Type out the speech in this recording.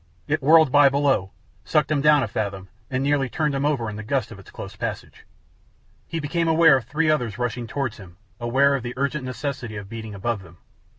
It whirled by below, sucked him down a fathom, and nearly turned him over in the gust of its close passage. He became aware of three others rushing towards him, aware of the urgent necessity of beating above them.